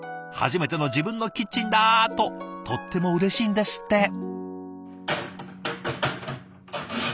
「初めての自分のキッチンだ！」ととってもうれしいんですって。